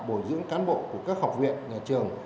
bồi dưỡng cán bộ của các học viện nhà trường